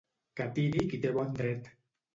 Que tiri qui té bon dret.